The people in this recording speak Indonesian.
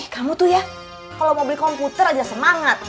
kamu tuh ya kalau mau beli komputer aja semangat